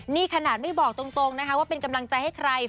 นี่ขนาดไม่บอกตรงนะคะว่าเป็นกำลังใจให้ใคร